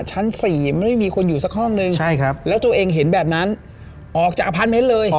ชั้นสี่ไม่มีใครอยู่สักห้องเลย